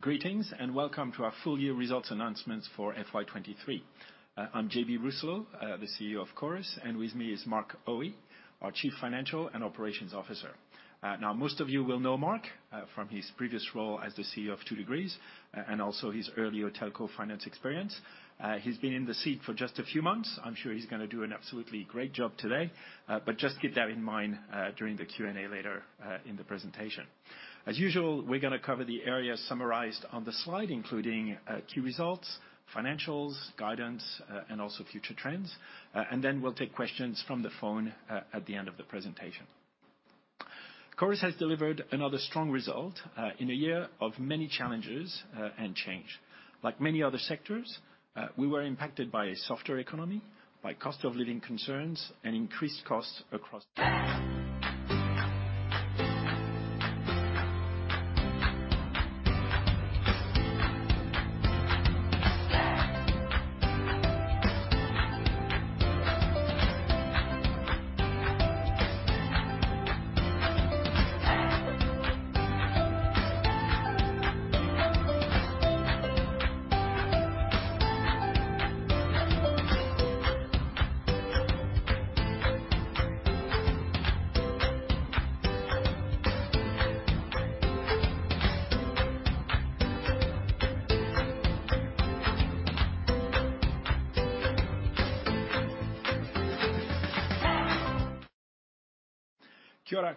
Greetings, and welcome to our full year results announcements for FY23. I'm JB Rousselot, the CEO of Chorus, and with me is Mark Aue, our Chief Financial and Operations Officer. Now, most of you will know Mark from his previous role as the CEO of 2degrees, and also his earlier telco finance experience. He's been in the seat for just a few months. I'm sure he's gonna do an absolutely great job today, but just keep that in mind during the Q&A later in the presentation. As usual, we're gonna cover the areas summarized on the slide, including key results, financials, guidance, and also future trends, and then we'll take questions from the phone at the end of the presentation. Chorus has delivered another strong result in a year of many challenges and change. Like many other sectors, we were impacted by a softer economy, by cost of living concerns, and increased costs across Kia ora koutou ngā mihi haere mai.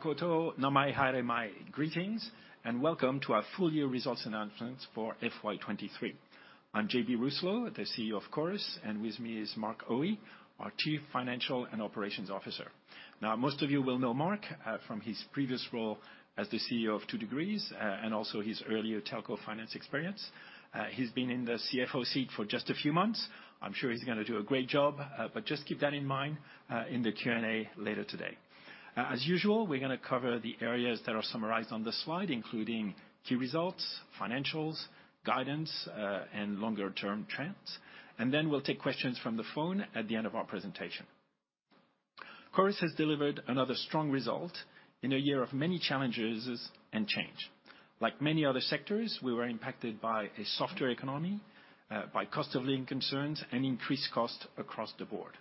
Greetings, welcome to our full year results announcement for FY23. I'm JB Rousselot, the CEO of Chorus, with me is Mark Aue, our Chief Financial and Operations Officer. Now, most of you will know Mark from his previous role as the CEO of 2degrees, also his earlier telco finance experience. He's been in the CFO seat for just a few months. I'm sure he's gonna do a great job, just keep that in mind in the Q&A later today. As usual, we're gonna cover the areas that are summarized on the slide, including key results, financials, guidance, and longer-term trends, and then we'll take questions from the phone at the end of our presentation. Chorus has delivered another strong result in a year of many challenges and change. Like many other sectors, we were impacted by a softer economy, by cost of living concerns, and increased costs across the board.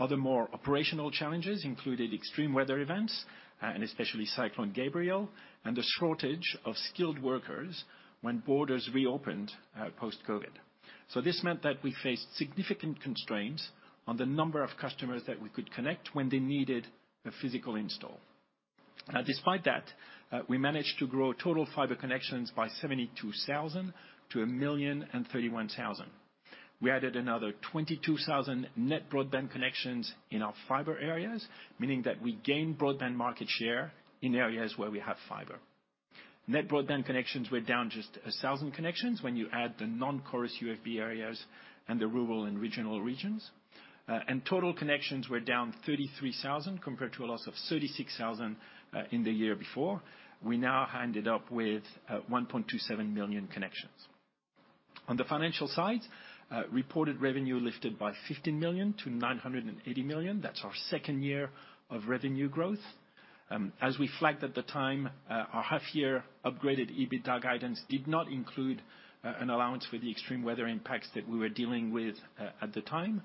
Other more operational challenges included extreme weather events, and especially Cyclone Gabrielle, and a shortage of skilled workers when borders reopened, post-COVID. This meant that we faced significant constraints on the number of customers that we could connect when they needed a physical install. Despite that, we managed to grow total fiber connections by 72,000 to 1,031,000. We added another 22,000 net broadband connections in our fibre areas, meaning that we gained broadband market share in areas where we have fibre. Net broadband connections were down just 1,000 connections when you add the non-Chorus UFB areas and the rural and regional regions. Total connections were down 33,000 compared to a loss of 36,000 in the year before. We now ended up with 1.27 million connections. On the financial side, reported revenue lifted by 15 million to 980 million. That's our second year of revenue growth. As we flagged at the time, our half-year upgraded EBITDA guidance did not include an allowance for the extreme weather impacts that we were dealing with at the time.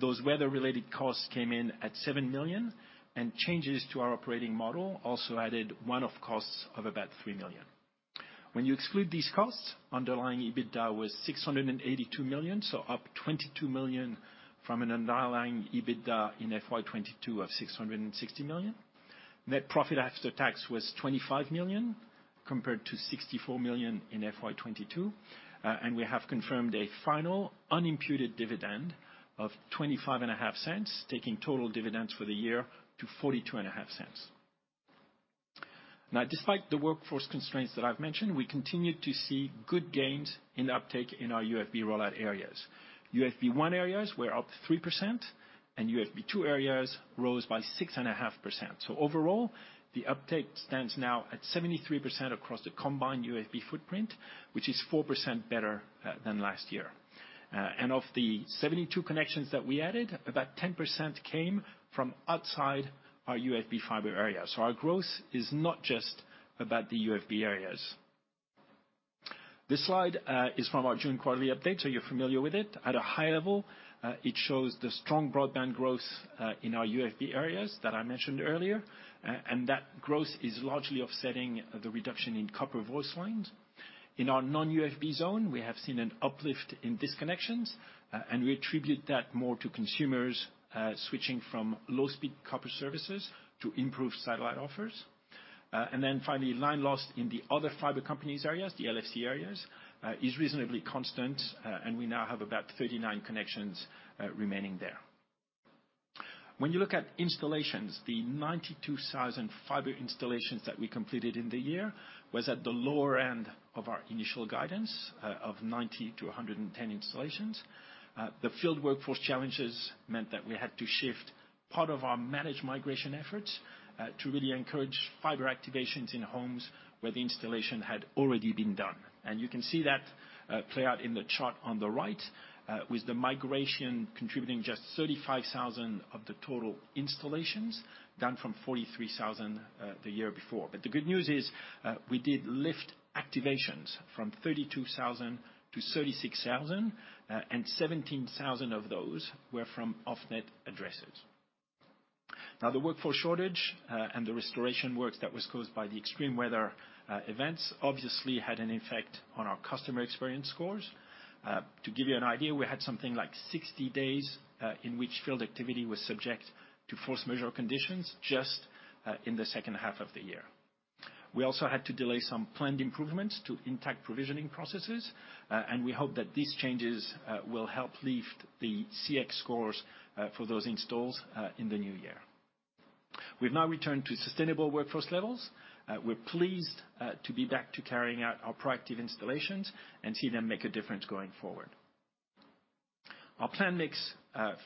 Those weather-related costs came in at 7 million, and changes to our operating model also added one-off costs of about 3 million. When you exclude these costs, underlying EBITDA was 682 million, so up 22 million from an underlying EBITDA in FY22 of 660 million. Net profit after tax was 25 million, compared to 64 million in FY22. We have confirmed a final unimputed dividend of 0.255, taking total dividends for the year to 0.425. Despite the workforce constraints that I've mentioned, we continued to see good gains in the uptake in our UFB rollout areas. UFB1 areas were up 3%, and UFB2 areas rose by 6.5%. Overall, the uptake stands now at 73% across the combined UFB footprint, which is 4% better than last year. Of the 72 connections that we added, about 10% came from outside our UFB fibre area. Our growth is not just about the UFB areas. This slide is from our June quarterly update. You're familiar with it. At a high level, it shows the strong broadband growth in our UFB areas that I mentioned earlier. That growth is largely offsetting the reduction in copper voice lines. In our non-UFB zone, we have seen an uplift in disconnections, and we attribute that more to consumers switching from low-speed copper services to improved satellite offers. Then finally, line loss in the other fiber companies areas, the LFC areas, is reasonably constant, and we now have about 39 connections remaining there. When you look at installations, the 92,000 fiber installations that we completed in the year was at the lower end of our initial guidance of 90-110 installations. The field workforce challenges meant that we had to shift part of our managed migration efforts to really encourage fiber activations in homes where the installation had already been done. You can see play out in the chart on the right, with the migration contributing just 35,000 of the total installations, down from 43,000 the year before. The good news is, we did lift activations from 32,000 to 36,000, and 17,000 of those were from off-net addresses. Now, the workforce shortage, and the restoration works that was caused by the extreme weather events, obviously had an effect on our customer experience scores. To give you an idea, we had something like 60 days in which field activity was subject to force majeure conditions just in the second half of the year. We also had to delay some planned improvements to intact provisioning processes, and we hope that these changes will help lift the CX scores for those installs in the new year. We've now returned to sustainable workforce levels. We're pleased to be back to carrying out our proactive installations and see them make a difference going forward. Our plan mix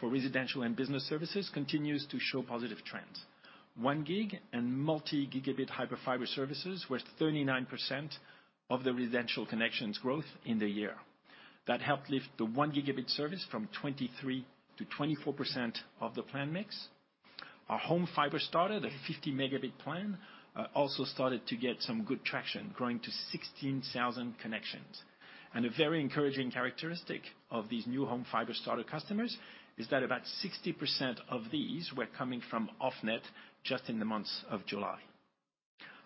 for residential and business services continues to show positive trends. One Gig and multi-gigabit Hyperfibre services were 39% of the residential connections growth in the year. That helped lift the 1 Gigabit service from 23%-24% of the plan mix. Our Home Fiber Starter, the 50 megabit plan, also started to get some good traction, growing to 16,000 connections. A very encouraging characteristic of these new Home Fiber Starter customers is that about 60% of these were coming from off net just in the months of July.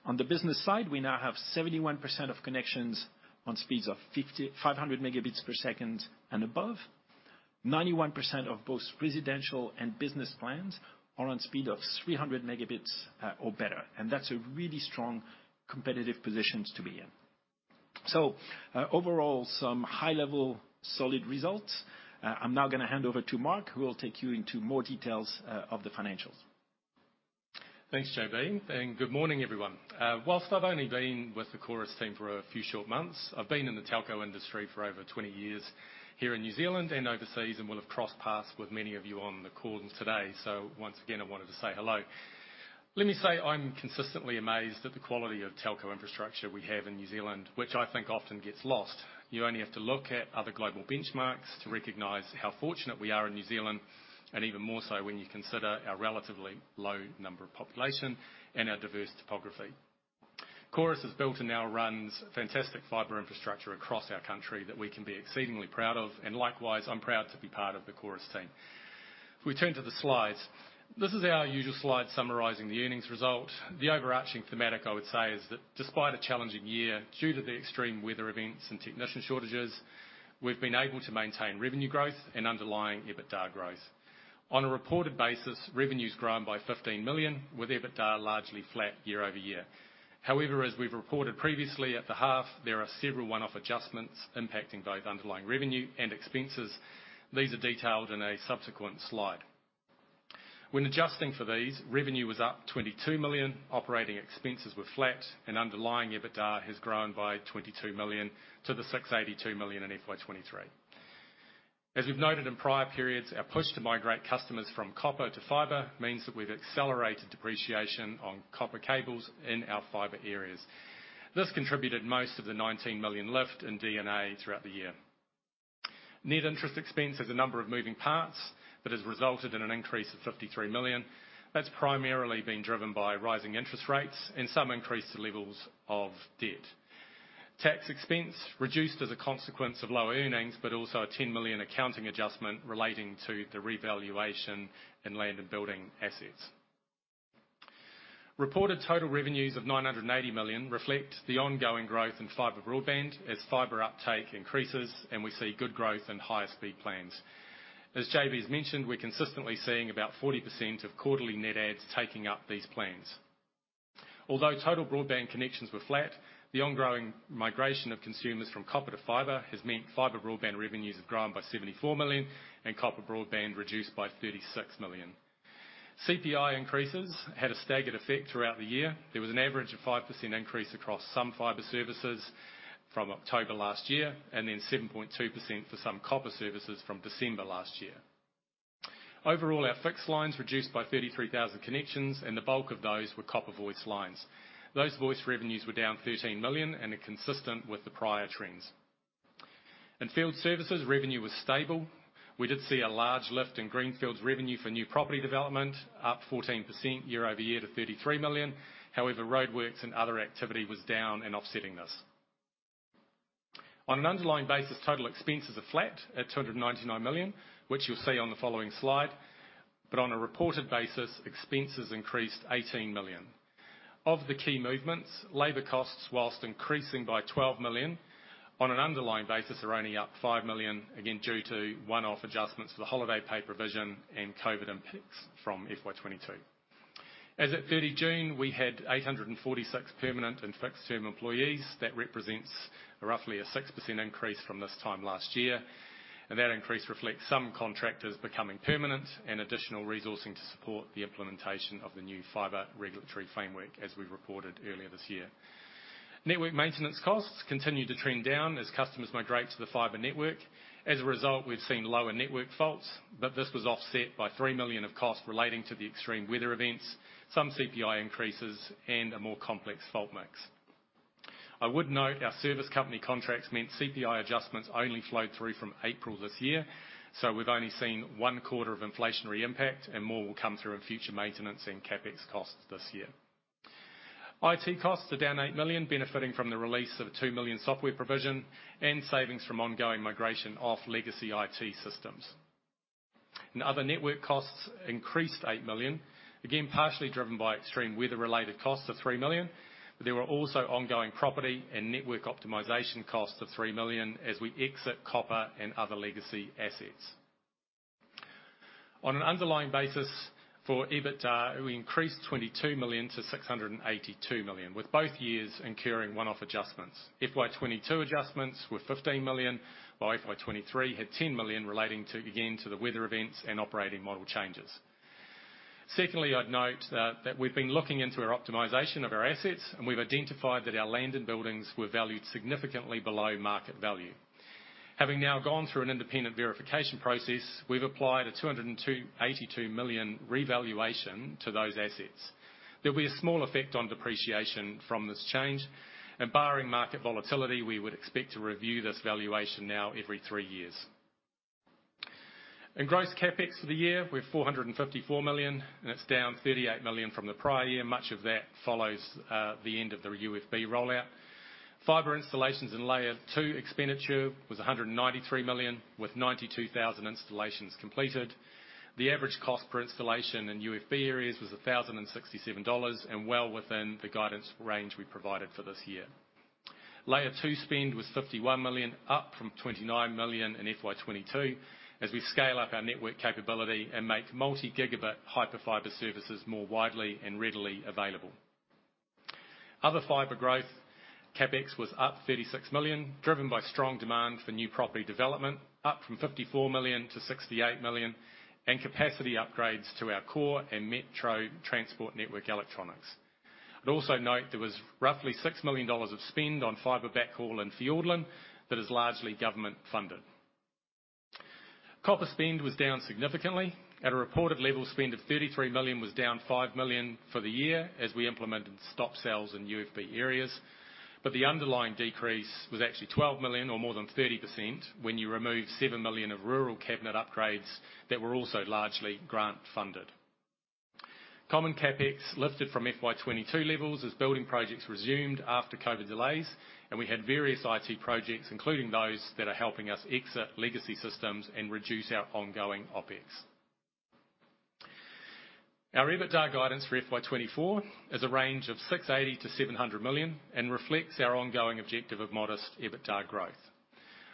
On the business side, we now have 71% of connections on speeds of 500 megabits per second and above. 91% of both residential and business plans are on speed of 300 megabits or better, and that's a really strong competitive positions to be in. Overall, some high-level, solid results. I'm now gonna hand over to Mark Aue, who will take you into more details of the financials. Thanks, JB. Good morning, everyone. While I've only been with the Chorus team for a few short months, I've been in the telco industry for over 20 years here in New Zealand and overseas, and will have crossed paths with many of you on the call today. Once again, I wanted to say hello. Let me say, I'm consistently amazed at the quality of telco infrastructure we have in New Zealand, which I think often gets lost. You only have to look at other global benchmarks to recognize how fortunate we are in New Zealand, and even more so when you consider our relatively low number of population and our diverse topography. Chorus has built and now runs fantastic fiber infrastructure across our country that we can be exceedingly proud of, and likewise, I'm proud to be part of the Chorus team. If we turn to the slides, this is our usual slide summarizing the earnings result. The overarching thematic, I would say, is that despite a challenging year, due to the extreme weather events and technician shortages, we've been able to maintain revenue growth and underlying EBITDA growth. On a reported basis, revenue's grown by 15 million, with EBITDA largely flat year-over-year. As we've reported previously at the half, there are several one-off adjustments impacting both underlying revenue and expenses. These are detailed in a subsequent slide. When adjusting for these, revenue was up 22 million, operating expenses were flat, and underlying EBITDA has grown by 22 million to the 682 million in FY23. As we've noted in prior periods, our push to migrate customers from copper to fiber, means that we've accelerated depreciation on copper cables in our fiber areas. This contributed most of the 19 million lift in D&A throughout the year. Net interest expense has a number of moving parts that has resulted in an increase of 53 million. That's primarily been driven by rising interest rates and some increased levels of debt. Tax expense reduced as a consequence of lower earnings, also a 10 million accounting adjustment relating to the revaluation in land and building assets. Reported total revenues of 980 million reflect the ongoing growth in fiber broadband as fiber uptake increases, and we see good growth in higher speed plans. As JB has mentioned, we're consistently seeing about 40% of quarterly net adds taking up these plans. Although total broadband connections were flat, the ongoing migration of consumers from copper to fiber, has meant fiber broadband revenues have grown by 74 million, and copper broadband reduced by 36 million. CPI increases had a staggered effect throughout the year. There was an average of 5% increase across some fiber services from October last year, and then 7.2% for some copper services from December last year. Overall, our fixed lines reduced by 33,000 connections. The bulk of those were copper voice lines. Those voice revenues were down 13 million and are consistent with the prior trends. In field services, revenue was stable. We did see a large lift in Greenfields' revenue for new property development, up 14% year-over-year to 33 million. However, roadworks and other activity was down and offsetting this. On an underlying basis, total expenses are flat at 299 million, which you'll see on the following slide, but on a reported basis, expenses increased 18 million. Of the key movements, labor costs, whilst increasing by 12 million on an underlying basis, are only up 5 million, again, due to one-off adjustments for the holiday pay provision and COVID impacts from FY22. As at 30 June, we had 846 permanent and fixed-term employees. That represents roughly a 6% increase from this time last year, and that increase reflects some contractors becoming permanent, and additional resourcing to support the implementation of the new fiber regulatory framework, as we reported earlier this year. Network maintenance costs continue to trend down as customers migrate to the fiber network. As a result, we've seen lower network faults, but this was offset by 3 million of costs relating to the extreme weather events, some CPI increases, and a more complex fault mix. I would note our service company contracts meant CPI adjustments only flowed through from April this year, so we've only seen one quarter of inflationary impact, and more will come through in future maintenance and CapEx costs this year. IT costs are down 8 million, benefiting from the release of a 2 million software provision and savings from ongoing migration off legacy IT systems. Other network costs increased 8 million, again, partially driven by extreme weather-related costs of 3 million, but there were also ongoing property and network optimization costs of 3 million as we exit copper and other legacy assets. On an underlying basis for EBITDA, we increased 22 million to 682 million, with both years incurring one-off adjustments. FY22 adjustments were 15 million, while FY23 had 10 million relating to, again, to the weather events and operating model changes. Secondly, I'd note that we've been looking into our optimization of our assets. We've identified that our land and buildings were valued significantly below market value. Having now gone through an independent verification process, we've applied a 282 million revaluation to those assets. There'll be a small effect on depreciation from this change. Barring market volatility, we would expect to review this valuation now every three years. In gross CapEx for the year, we have 454 million. It's down 38 million from the prior year. Much of that follows the end of the UFB rollout. Fiber installations and Layer 2 expenditure was 193 million, with 92,000 installations completed. The average cost per installation in UFB areas was 1,067 dollars. Well within the guidance range we provided for this year. Layer 2 spend was 51 million, up from 29 million in FY22, as we scale up our network capability and make multi-gigabit Hyperfibre services more widely and readily available. Other fiber growth, CapEx was up 36 million, driven by strong demand for new property development, up from 54 million to 68 million, and capacity upgrades to our core and metro transport network electronics. I'd also note there was roughly 6 million dollars of spend on fiber backhaul in Fiordland that is largely government-funded. Copper spend was down significantly. At a reported level, spend of 33 million was down 5 million for the year as we implemented stop sales in UFB areas, but the underlying decrease was actually 12 million, or more than 30%, when you remove 7 million of rural cabinet upgrades that were also largely grant-funded. Common CapEx lifted from FY22 levels as building projects resumed after COVID delays. We had various IT projects, including those that are helping us exit legacy systems and reduce our ongoing OpEx. Our EBITDA guidance for FY24 is a range of 680 million-700 million and reflects our ongoing objective of modest EBITDA growth.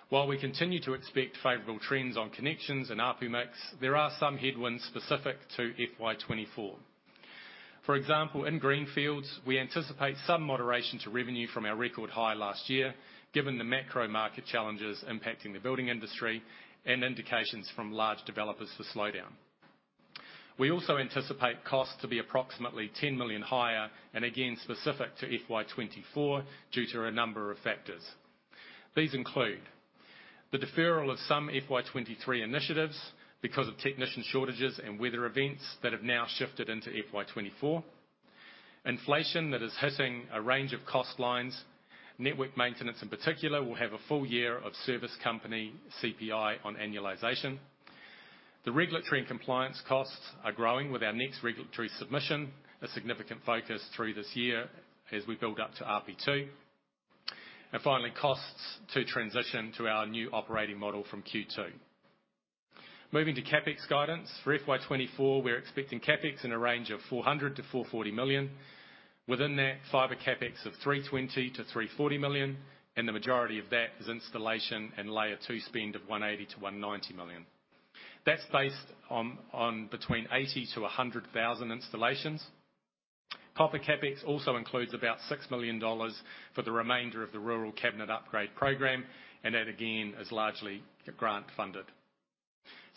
While we continue to expect favorable trends on connections and ARPU mix, there are some headwinds specific to FY24. For example, in Greenfields, we anticipate some moderation to revenue from our record high last year, given the macro-market challenges impacting the building industry and indications from large developers for slowdown. We also anticipate costs to be approximately 10 million higher, and again, specific to FY24 due to a number of factors. These include the deferral of some FY23 initiatives because of technician shortages and weather events that have now shifted into FY24. Inflation that is hitting a range of cost lines. Network maintenance, in particular, will have a full year of service company CPI on annualization. The regulatory and compliance costs are growing, with our next regulatory submission, a significant focus through this year as we build up to RP2. Finally, costs to transition to our new operating model from Q2. Moving to CapEx guidance. For FY24, we're expecting CapEx in a range of 400 million-440 million. Within that, fibre CapEx of 320 million-340 million, and the majority of that is installation and Layer 2 spend of 180 million-190 million. That's based on between 80,000-100,000 installations. Copper CapEx also includes about 6 million dollars for the remainder of the rural cabinet upgrade program. That, again, is largely grant-funded.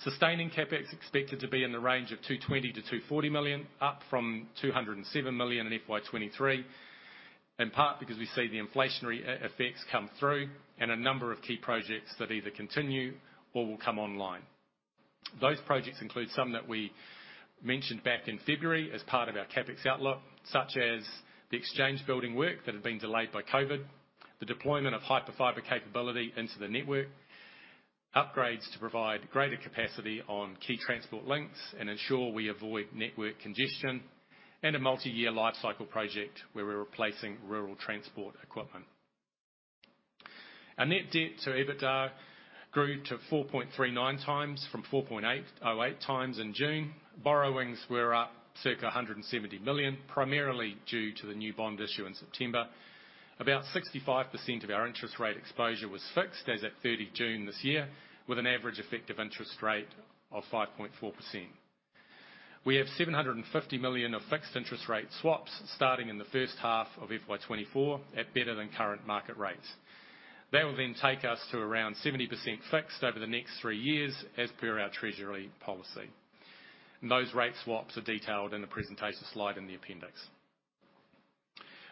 Sustaining CapEx is expected to be in the range of 220 million-240 million, up from 207 million in FY23, in part because we see the inflationary effects come through and a number of key projects that either continue or will come online. Those projects include some that we mentioned back in February as part of our CapEx outlook, such as the exchange building work that had been delayed by COVID, the deployment of Hyperfibre capability into the network, upgrades to provide greater capacity on key transport links and ensure we avoid network congestion, and a multi-year life cycle project, where we're replacing rural transport equipment. Our net debt to EBITDA grew to 4.39 times from 4.808 times in June. Borrowings were up circa 170 million, primarily due to the new bond issue in September. About 65% of our interest rate exposure was fixed as at June 30 this year, with an average effective interest rate of 5.4%. We have 750 million of fixed interest rate swaps starting in the first half of FY24 at better than current market rates. That will then take us to around 70% fixed over the next three years, as per our treasury policy. Those rate swaps are detailed in the presentation slide in the appendix.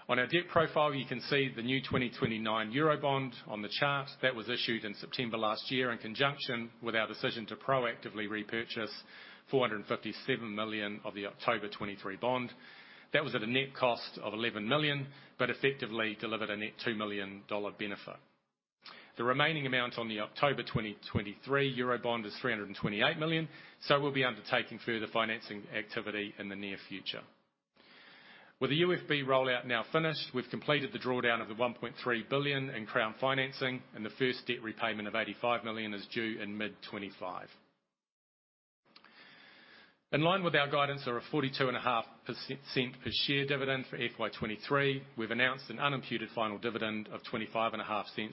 On our debt profile, you can see the new 2029 Eurobond on the chart that was issued in September last year, in conjunction with our decision to proactively repurchase 457 million of the October 2023 bond. That was at a net cost of 11 million, effectively delivered a net 2 million dollar benefit. The remaining amount on the October 2023 Eurobond is 328 million, we'll be undertaking further financing activity in the near future. With the UFB rollout now finished, we've completed the drawdown of the 1.3 billion in Crown financing, the first debt repayment of 85 million is due in mid-2025. In line with our guidance of a 42.5% per share dividend for FY23, we've announced an unimputed final dividend of 0.255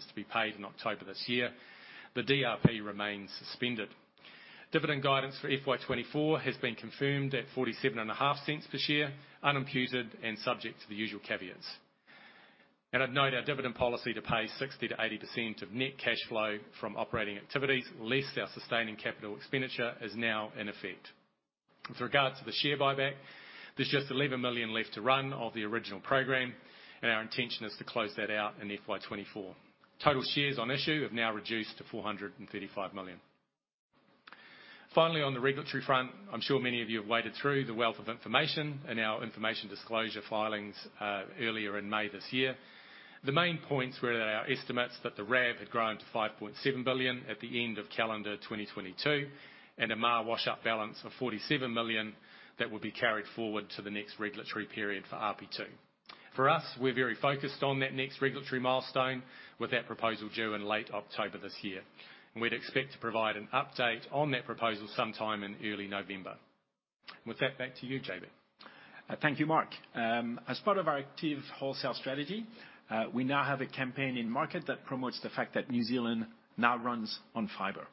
to be paid in October this year. The DRP remains suspended. Dividend guidance for FY24 has been confirmed at 0.475 per share, unimputed, and subject to the usual caveats. I'd note our dividend policy to pay 60%-80% of net cash flow from operating activities, less our sustaining capital expenditure, is now in effect. With regards to the share buyback, there's just 11 million left to run of the original program, and our intention is to close that out in FY24. Total shares on issue have now reduced to 435 million. Finally, on the regulatory front, I'm sure many of you have waded through the wealth of information in our information disclosure filings earlier in May this year. The main points were that our estimates that the RAV had grown to 5.7 billion at the end of calendar 2022, and a MAR wash-up balance of 47 million that will be carried forward to the next regulatory period for RP2. For us, we're very focused on that next regulatory milestone, with that proposal due in late October this year, and we'd expect to provide an update on that proposal sometime in early November. With that, back to you, JB. Thank you, Mark. As part of our active wholesale strategy, we now have a campaign in market that promotes the fact that New Zealand now runs on fiber.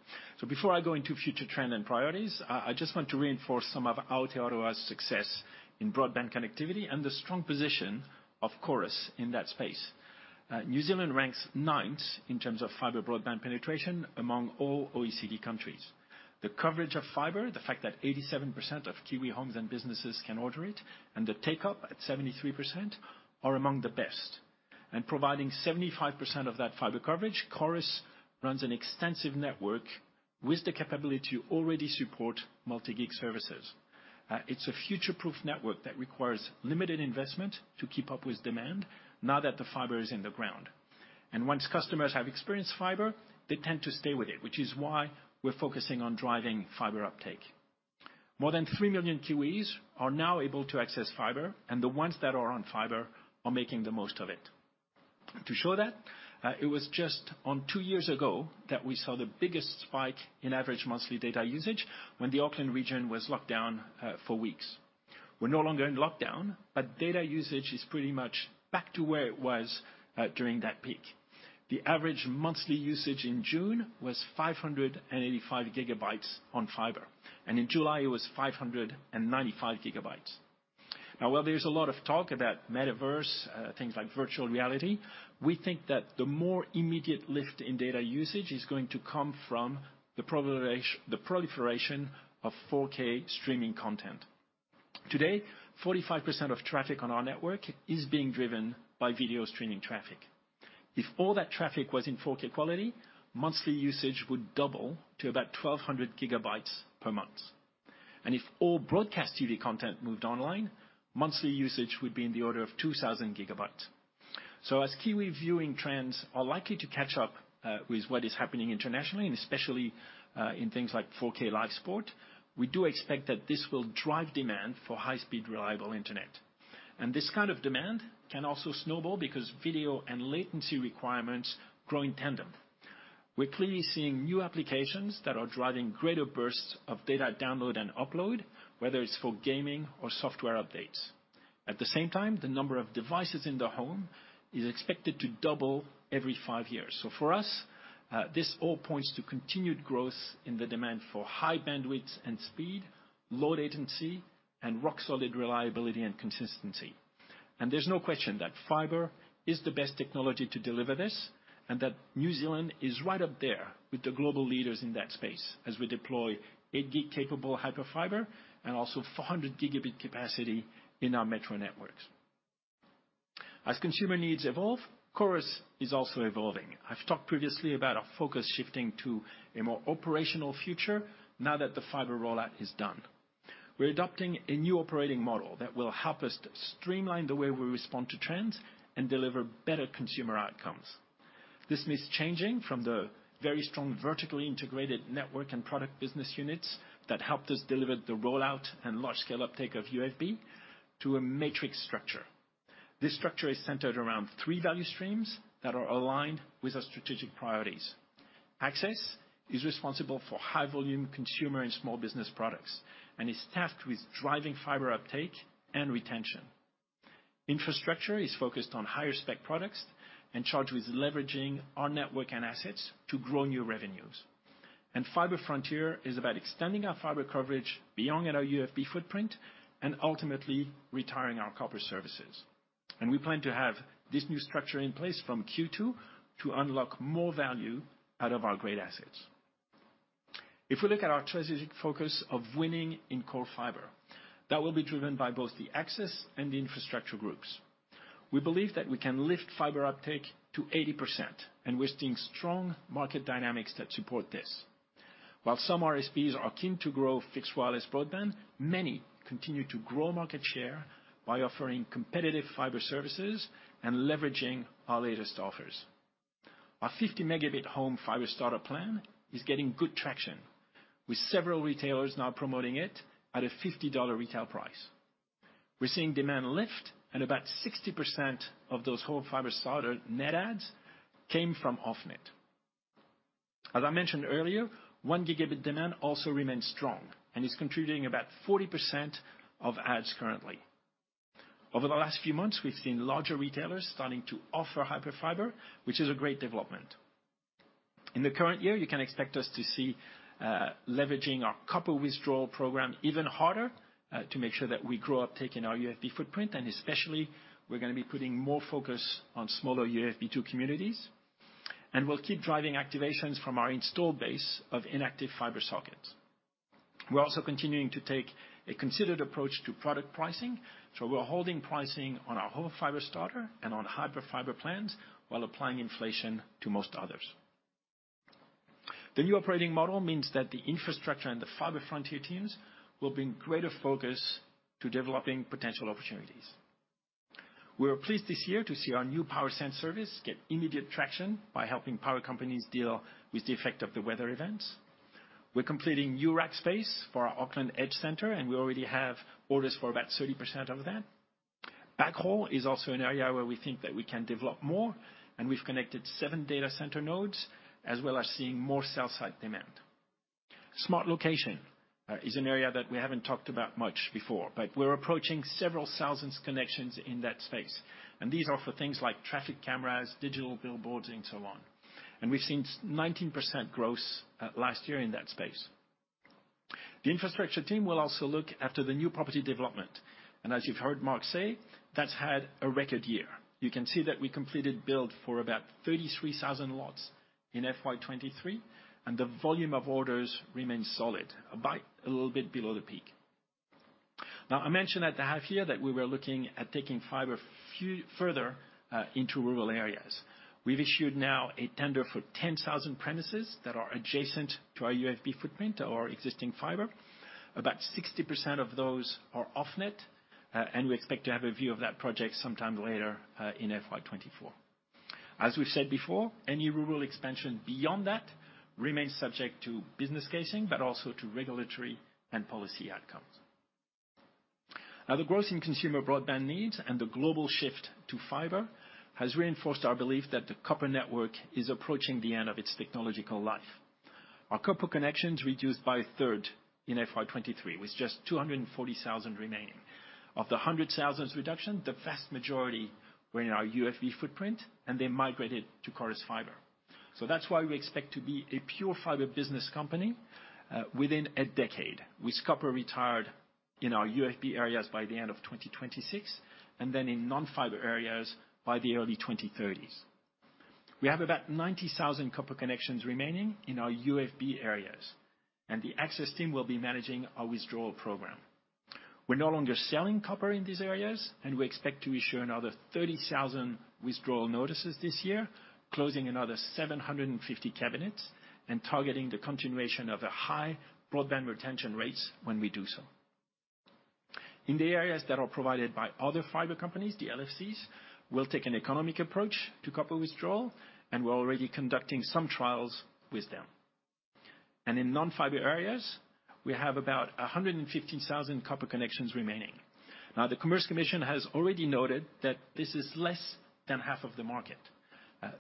Before I go into future trend and priorities, I just want to reinforce some of Aotearoa's success in broadband connectivity and the strong position of Chorus in that space. New Zealand ranks ninth in terms of fiber broadband penetration among all OECD countries. The coverage of fiber, the fact that 87% of Kiwi homes and businesses can order it, and the take-up at 73%, are among the best. Providing 75% of that fiber coverage, Chorus runs an extensive network with the capability to already support multi-gig services. It's a future-proof network that requires limited investment to keep up with demand, now that the fiber is in the ground. Once customers have experienced fiber, they tend to stay with it, which is why we're focusing on driving fiber uptake. More than 3 million Kiwis are now able to access fiber, and the ones that are on fiber are making the most of it. To show that, it was just on 2 years ago that we saw the biggest spike in average monthly data usage when the Auckland region was locked down for weeks. We're no longer in lockdown, but data usage is pretty much back to where it was during that peak. The average monthly usage in June was 585 GB on fiber, and in July, it was 595 GB. While there's a lot of talk about metaverse, things like virtual reality, we think that the more immediate lift in data usage is going to come from the proliferation of 4K streaming content. Today, 45% of traffic on our network is being driven by video streaming traffic. If all that traffic was in 4K quality, monthly usage would double to about 1,200 gigabytes per month. If all broadcast TV content moved online, monthly usage would be in the order of 2,000 gigabytes. As Kiwi viewing trends are likely to catch up with what is happening internationally, and especially in things like 4K live sport, we do expect that this will drive demand for high-speed, reliable internet. This kind of demand can also snowball because video and latency requirements grow in tandem. We're clearly seeing new applications that are driving greater bursts of data download and upload, whether it's for gaming or software updates. At the same time, the number of devices in the home is expected to double every five years. For us, this all points to continued growth in the demand for high bandwidth and speed, low latency, and rock-solid reliability and consistency. There's no question that fiber is the best technology to deliver this and that New Zealand is right up there with the global leaders in that space, as we deploy 8-gig-capable Hyperfibre and also 400 gigabit capacity in our metro networks. As consumer needs evolve, Chorus is also evolving. I've talked previously about our focus shifting to a more operational future now that the fiber rollout is done. We're adopting a new operating model that will help us to streamline the way we respond to trends and deliver better consumer outcomes. This means changing from the very strong, vertically integrated network and product business units that helped us deliver the rollout and large-scale uptake of UFB, to a matrix structure. This structure is centered around 3 value streams that are aligned with our strategic priorities. Access is responsible for high-volume consumer and small business products and is tasked with driving fiber uptake and retention. Infrastructure is focused on higher spec products and charged with leveraging our network and assets to grow new revenues. Fiber Frontier is about extending our fiber coverage beyond our UFB footprint and ultimately retiring our copper services. We plan to have this new structure in place from Q2 to unlock more value out of our great assets. If we look at our strategic focus of winning in core fibre, that will be driven by both the Access and the Infrastructure groups. We believe that we can lift fibre uptake to 80%, and we're seeing strong market dynamics that support this. While some RSPs are keen to grow fixed wireless broadband, many continue to grow market share by offering competitive fibre services and leveraging our latest offers. Our 50 Mbps Home Fiber Starter plan is getting good traction, with several retailers now promoting it at a 50 dollar retail price. We're seeing demand lift, and about 60% of those Home Fiber Starter net adds came from off-net. As I mentioned earlier, 1 Gbps demand also remains strong and is contributing about 40% of adds currently. Over the last few months, we've seen larger retailers starting to offer Hyperfibre, which is a great development. In the current year, you can expect us to see leveraging our copper withdrawal program even harder to make sure that we grow uptake in our UFB footprint. Especially, we're gonna be putting more focus on smaller UFB2 communities. We'll keep driving activations from our installed base of inactive fibre sockets. We're also continuing to take a considered approach to product pricing. We're holding pricing on our Home Fiber Starter and on Hyperfibre plans while applying inflation to most others. The new operating model means that the Infrastructure and the Fiber Frontier teams will bring greater focus to developing potential opportunities. We were pleased this year to see our new PowerSense service get immediate traction by helping power companies deal with the effect of the weather events. We're completing new rack space for our Auckland Edge Centre. We already have orders for about 30% of that. Backhaul is also an area where we think that we can develop more, and we've connected 7 data center nodes, as well as seeing more cell site demand. Smart Locations is an area that we haven't talked about much before, but we're approaching several thousand connections in that space, and these are for things like traffic cameras, digital billboards, and so on. We've seen 19% growth last year in that space. The infrastructure team will also look after the new property development, and as you've heard Mark say, that's had a record year. You can see that we completed build for about 33,000 lots in FY23, and the volume of orders remains solid, about a little bit below the peak. I mentioned at the half year that we were looking at taking fiber further into rural areas. We've issued now a tender for 10,000 premises that are adjacent to our UFB footprint or existing fiber. About 60% of those are off net, we expect to have a view of that project sometime later in FY 2024. As we've said before, any rural expansion beyond that remains subject to business casing, also to regulatory and policy outcomes. The growth in consumer broadband needs and the global shift to fiber has reinforced our belief that the copper network is approaching the end of its technological life. Our copper connections reduced by a third in FY 2023, with just 240,000 remaining. Of the 100,000 reduction, the vast majority were in our UFB footprint, and they migrated to Chorus fiber. That's why we expect to be a pure fiber business company within a decade, with copper retired in our UFB areas by the end of 2026, and then in non-fiber areas by the early 2030s. We have about 90,000 copper connections remaining in our UFB areas, the Access team will be managing our withdrawal program. We're no longer selling copper in these areas, we expect to issue another 30,000 withdrawal notices this year, closing another 750 cabinets and targeting the continuation of a high broadband retention rates when we do so. In the areas that are provided by other fiber companies, the LFCs, we'll take an economic approach to copper withdrawal, we're already conducting some trials with them. In non-fiber areas, we have about 150,000 copper connections remaining. The Commerce Commission has already noted that this is less than half of the market.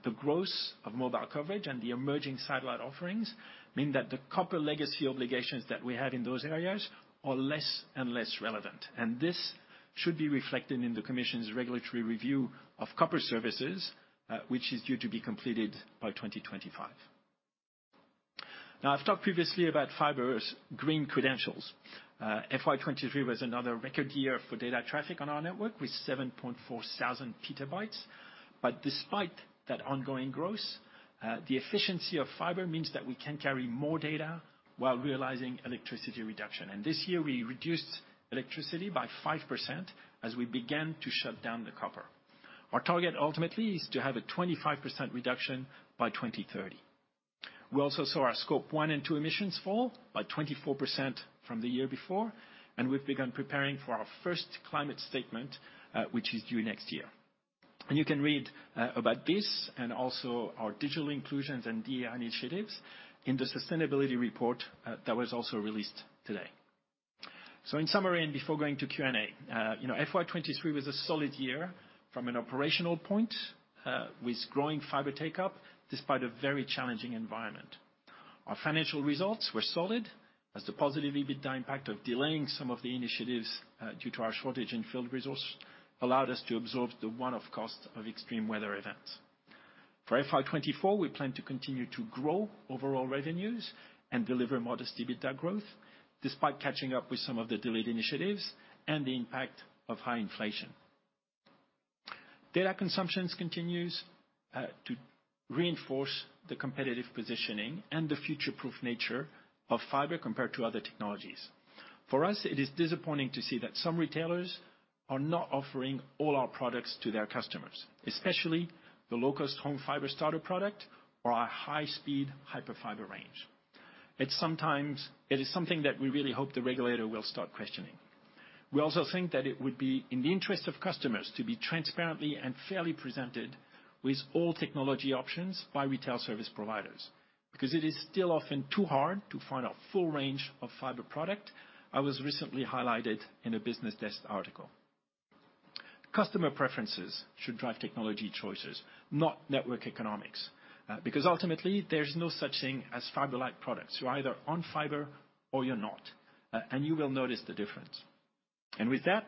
The growth of mobile coverage and the emerging satellite offerings mean that the copper legacy obligations that we have in those areas are less and less relevant, and this should be reflected in the Commission's regulatory review of copper services, which is due to be completed by 2025. I've talked previously about fiber's green credentials. FY23 was another record year for data traffic on our network, with 7,400 petabytes. Despite that ongoing growth, the efficiency of fiber means that we can carry more data while realizing electricity reduction. This year, we reduced electricity by 5% as we began to shut down the copper. Our target ultimately is to have a 25% reduction by 2030. We also saw our Scope 1 and 2 emissions fall by 24% from the year before, and we've begun preparing for our first climate statement, which is due next year. You can read about this and also our digital inclusions and DEI initiatives in the sustainability report that was also released today. In summary, and before going to Q&A, you know, FY23 was a solid year from an operational point, with growing fiber takeup, despite a very challenging environment. Our financial results were solid, as the positive EBITDA impact of delaying some of the initiatives, due to our shortage in field resource, allowed us to absorb the one-off costs of extreme weather events. For FY24, we plan to continue to grow overall revenues and deliver modest EBITDA growth, despite catching up with some of the delayed initiatives and the impact of high inflation. Data consumption continues to reinforce the competitive positioning and the future-proof nature of fiber compared to other technologies. For us, it is disappointing to see that some retailers are not offering all our products to their customers, especially the low-cost Home Fiber Starter product or our high-speed Hyperfibre range. It is something that we really hope the regulator will start questioning. We also think that it would be in the interest of customers to be transparently and fairly presented with all technology options by retail service providers, because it is still often too hard to find a full range of fiber product. I was recently highlighted in a BusinessDesk article. Customer preferences should drive technology choices, not network economics, because ultimately, there's no such thing as fiber-like products. You're either on fiber or you're not, and you will notice the difference. With that,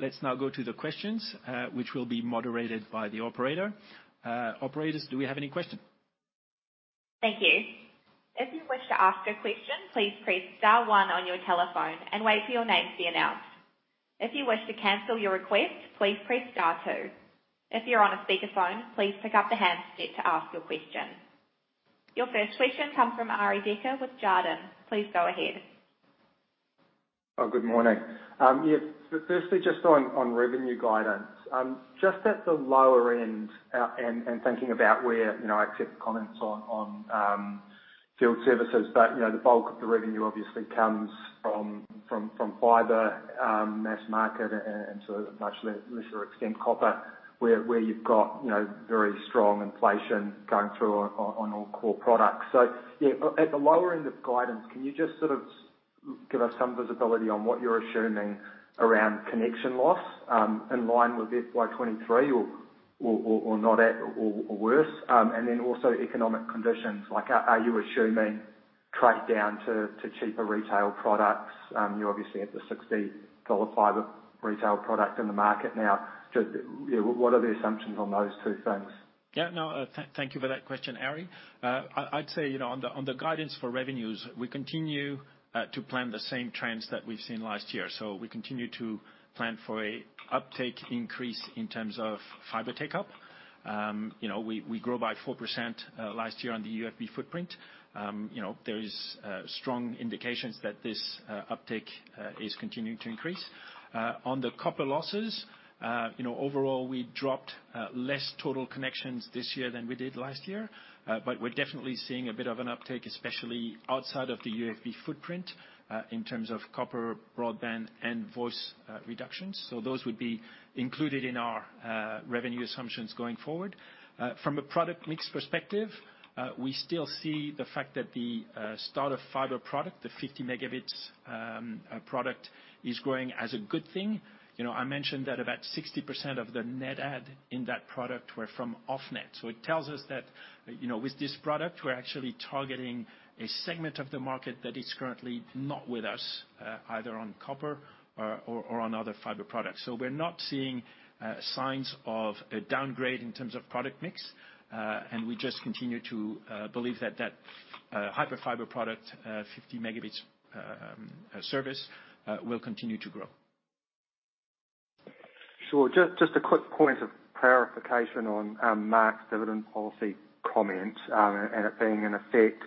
let's now go to the questions, which will be moderated by the operator. Operators, do we have any questions? Thank you. If you wish to ask a question, please press star one on your telephone and wait for your name to be announced. If you wish to cancel your request, please press star two. If you're on a speakerphone, please pick up the handset to ask your question. Your first question comes from Arie Dekker with Jarden. Please go ahead. Oh, good morning. Yeah, firstly, just on, on revenue guidance, just at the lower end, and, and thinking about where, you know, I accept the comments on, on field services, but, you know, the bulk of the revenue obviously comes from, from, from fiber, mass market and to a much lesser extent, copper, where, where you've got, you know, very strong inflation going through on, on all core products. Yeah, at the lower end of guidance, can you just sort of give us some visibility on what you're assuming around connection loss, in line with FY23 or, or, or, or not at, or, or worse? Then also economic conditions, like, are, are you assuming trade down to, to cheaper retail products? You obviously have the NZD 60 fiber retail product in the market now. Just, yeah, what are the assumptions on those two things? Yeah, no, thank you for that question, Arie. I, I'd say, you know, on the, on the guidance for revenues, we continue to plan the same trends that we've seen last year. We continue to plan for a uptake increase in terms of fiber take-up. You know, we, we grow by 4% last year on the UFB footprint. You know, there is strong indications that this uptake is continuing to increase. On the copper losses, you know, overall, we dropped less total connections this year than we did last year. We're definitely seeing a bit of an uptake, especially outside of the UFB footprint, in terms of copper, broadband, and voice reductions. Those would be included in our revenue assumptions going forward. From a product mix perspective, we still see the fact that the starter fiber product, the 50 megabits product, is growing as a good thing. You know, I mentioned that about 60% of the net add in that product were from off net. It tells us that, you know, with this product, we're actually targeting a segment of the market that is currently not with us, either on copper or, or, or on other fiber products. We're not seeing signs of a downgrade in terms of product mix. And we just continue to believe that that Hyperfibre product, 50 megabits service, will continue to grow. Sure. Just, just a quick point of clarification on Mark's dividend policy comment, and it being in effect.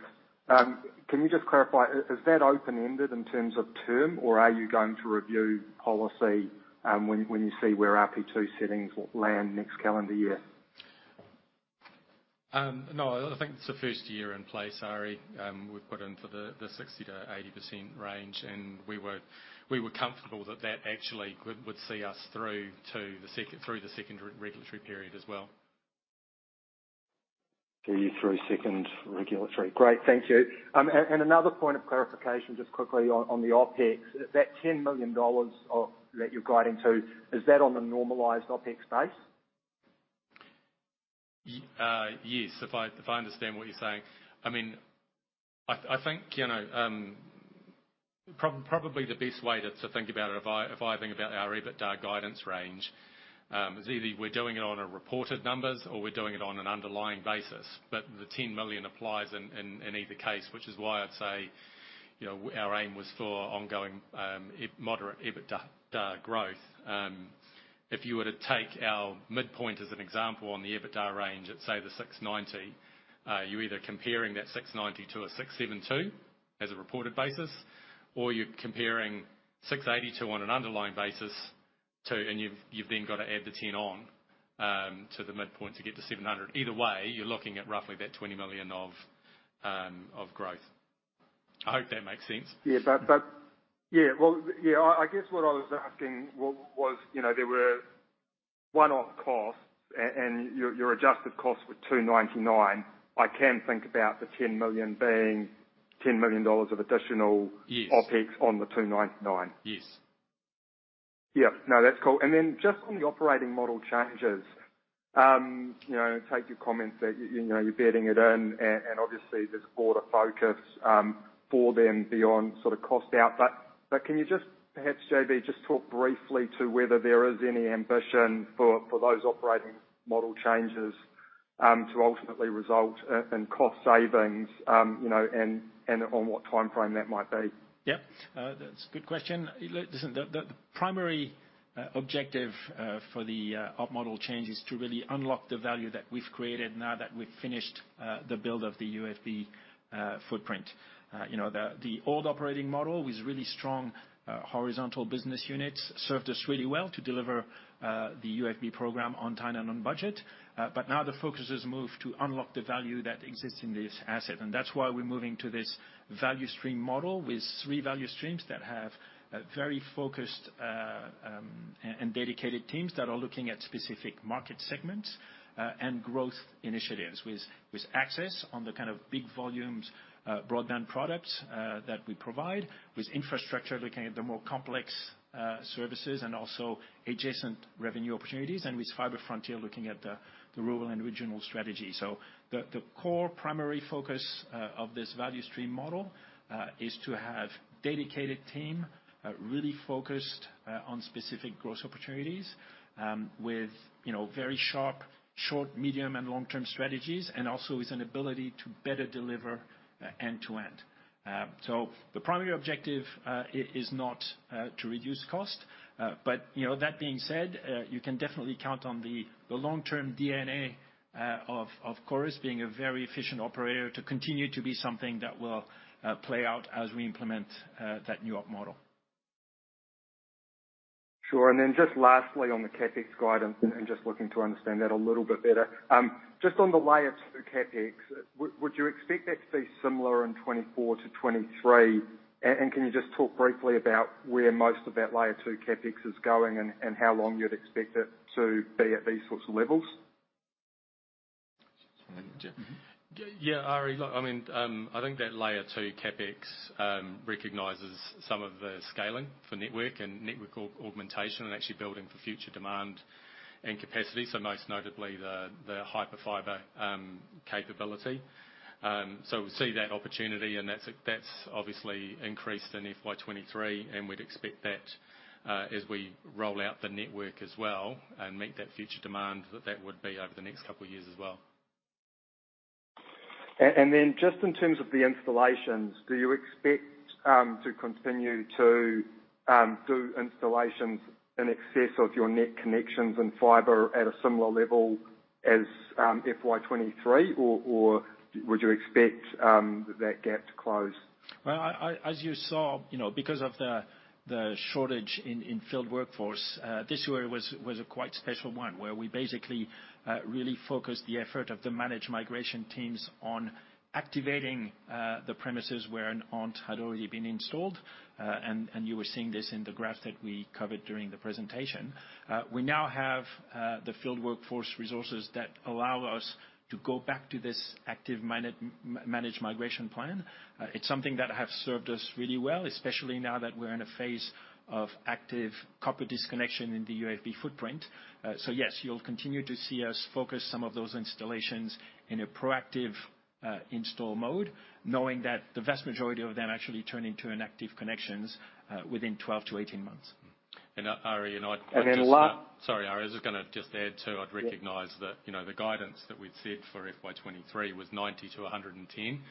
Can you just clarify, is that open-ended in terms of term, or are you going to review policy when, when you see where RP2 settings will land next calendar year? No, I think it's the first year in place, Ari. We've put in for the, the 60%-80% range, and we were, we were comfortable that that actually would, would see us through to the second through the second regulatory period as well. See you through second regulatory. Great. Thank you. Another point of clarification, just quickly on the OpEx. That 10 million dollars of, that you're guiding to, is that on a normalized OpEx base? Yes, if I, if I understand what you're saying. I mean, I, I think, you know, probably the best way to, to think about it, if I, if I think about our EBITDA guidance range, is either we're doing it on a reported numbers or we're doing it on an underlying basis. The 10 million applies in, in, in either case, which is why I'd say, you know, our aim was for ongoing, moderate EBITDA, EBITDA growth. If you were to take our midpoint as an example on the EBITDA range at, say, the 690, you're either comparing that 690 to a 672 as a reported basis, or you're comparing 682 on an underlying basis to. You've, you've then got to add the 10 on, to the midpoint to get to 700. Either way, you're looking at roughly that 20 million of, of growth. I hope that makes sense. Yeah. But yeah, well, yeah, I, I guess what I was asking was, you know, there were one-off costs and your, your adjusted costs were 299. I can think about the 10 million being 10 million dollars of additional- Yes OpEx on the 299. Yes. Yeah. No, that's cool. Then just on the operating model changes, you know, take your comments that, you know, you're bedding it in and, obviously, there's broader focus for them beyond sort of cost out. Can you just perhaps, JB, just talk briefly to whether there is any ambition for those operating model changes to ultimately result in cost savings, you know, and on what timeframe that might be? Yep, that's a good question. Look, listen, the, the primary objective for the op model change is to really unlock the value that we've created now that we've finished the build of the UFB footprint. You know, the, the old operating model with really strong horizontal business units, served us really well to deliver the UFB program on time and on budget. Now the focus has moved to unlock the value that exists in this asset, and that's why we're moving to this value stream model, with three value streams that have a very focused and dedicated teams that are looking at specific market segments and growth initiatives. With, with Access on the kind of big volumes, broadband products that we provide, with infrastructure, looking at the more complex services and also adjacent revenue opportunities, and with Fiber Frontier, looking at the rural and regional strategy. The core primary focus of this value stream model is to have dedicated team really focused on specific growth opportunities, with, you know, very sharp, short, medium, and long-term strategies, and also with an ability to better deliver end to end. The primary objective is not to reduce cost, but, you know, that being said, you can definitely count on the long-term DNA of Chorus being a very efficient operator, to continue to be something that will play out as we implement that new op model. Sure. Then just lastly, on the CapEx guidance, and just looking to understand that a little bit better. Just on the Layer 2 CapEx, would you expect that to be similar in 2024 to 2023? Can you just talk briefly about where most of that Layer 2 CapEx is going and how long you'd expect it to be at these sorts of levels? Yeah, Arie, look, I mean, I think that Layer 2 CapEx recognizes some of the scaling for network and network augmentation, and actually building for future demand and capacity. Most notably, the, the Hyperfibre capability. We see that opportunity, and that's, that's obviously increased in FY23, and we'd expect that, as we roll out the network as well, and meet that future demand, that that would be over the next couple of years as well. Just in terms of the installations, do you expect to continue to do installations in excess of your net connections and fiber at a similar level as FY23, or would you expect that gap to close? Well, I, I, as you saw, you know, because of the, the shortage in, in field workforce, this year was, was a quite special one, where we basically, really focused the effort of the managed migration teams on activating, the premises where an ONT had already been installed. You were seeing this in the graph that we covered during the presentation. We now have the field workforce resources that allow us to go back to this active mana- m- managed migration plan. It's something that have served us really well, especially now that we're in a phase of active copper disconnection in the UFB footprint. Yes, you'll continue to see us focus some of those installations in a proactive install mode, knowing that the vast majority of them actually turn into active connections within 12 to 18 months. And, uh, Ari, you know, I- And then la- Sorry, Ari, I was just gonna just add, too, I'd recognize that, you know, the guidance that we'd set for FY23 was 90-110.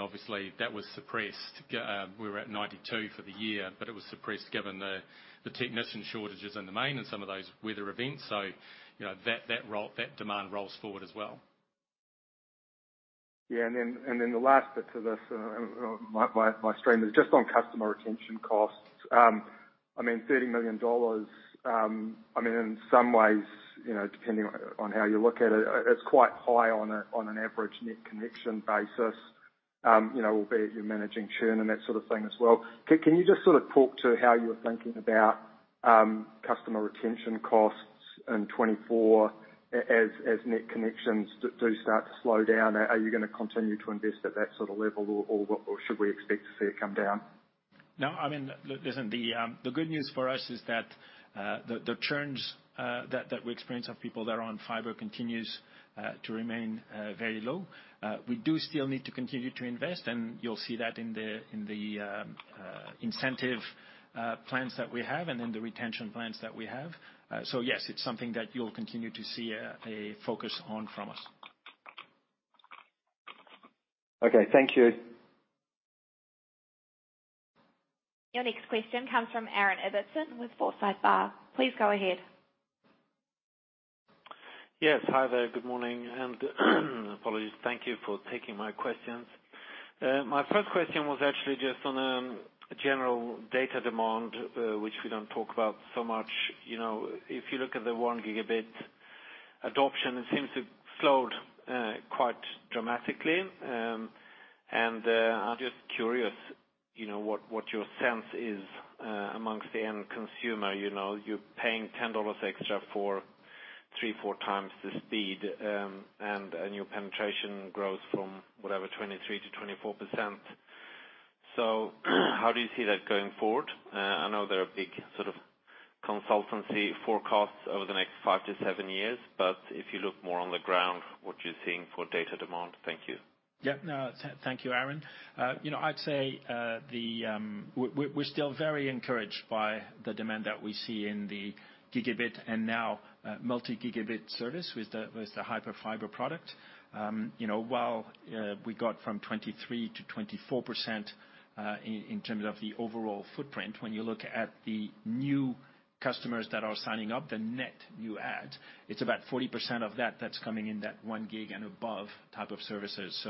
Obviously, that was suppressed. We were at 92 for the year, but it was suppressed given the, the technician shortages in the main and some of those weather events. You know, that demand rolls forward as well. Yeah, the last bit to this, my, my, my stream, is just on customer retention costs. I mean, 30 million dollars, I mean, in some ways, you know, depending on, on how you look at it, it's quite high on an average net connection basis. You know, albeit you're managing churn and that sort of thing as well. Can you just sort of talk to how you're thinking about customer retention costs in 2024 as net connections do start to slow down? Are you gonna continue to invest at that sort of level, or what, or should we expect to see it come down? No, I mean, listen, the, the good news for us is that, the, the churns, that, that we experience of people that are on fibre continues, to remain, very low. We do still need to continue to invest, and you'll see that in the, in the, incentive, plans that we have and in the retention plans that we have. Yes, it's something that you'll continue to see a, a focus on from us. Okay. Thank you. Your next question comes from Aaron Ibbotson with Forsyth Barr. Please go ahead. Yes. Hi there, good morning, and apologies. Thank you for taking my questions. My first question was actually just on general data demand, which we don't talk about so much. You know, if you look at the one gigabit adoption, it seems to have slowed quite dramatically. I'm just curious, you know, what, what your sense is amongst the end consumer. You know, you're paying $10 extra for 3, 4 times the speed, and your penetration grows from whatever, 23%-24%. How do you see that going forward? I know there are big consultancy forecasts over the next 5-7 years, but if you look more on the ground, what you're seeing for data demand? Thank you. Yeah, no, thank you, Aaron. you know, I'd say, the, we, we're still very encouraged by the demand that we see in the gigabit and now, multi-gigabit service with the, with the Hyperfibre product. you know, while, we got from 23%-24%, in, in terms of the overall footprint, when you look at the new customers that are signing up, the net new add, it's about 40% of that that's coming in that One Gig and above type of services.